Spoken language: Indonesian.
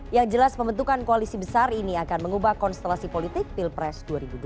yang jelas pembentukan koalisi besar ini akan mengubah konstelasi politik pilpres dua ribu dua puluh